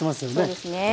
そうですね。